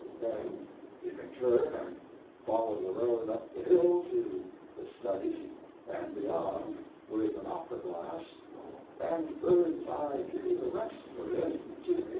then you can turn and follow the road up the hill to the study and beyond with an opera glass, and bird's eye view the rest of it to 1883.